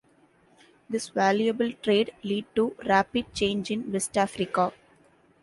This valuable trade lead to rapid change in West Africa.